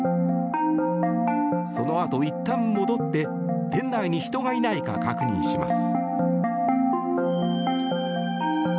そのあと、いったん戻って店内に人がいないか確認します。